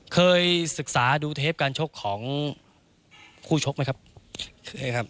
เคยศึกษาดูเทปการชกของคู่ชกไหมครับเคยครับ